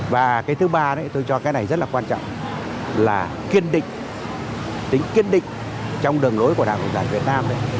và cái thứ ba đấy tôi cho cái này rất là quan trọng là kiên định tính kiên định trong đường lối của đảng cộng sản việt nam đấy